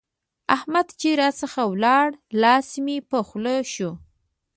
احمد چې راڅخه ولاړ؛ لاس مې په خوله شو.